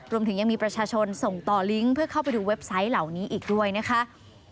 รวมถึงยังมีประชาชนส่งต่อลิงก์เพื่อเข้าไปดูเว็บไซต์เหล่านี้อีกด้วยนะคะ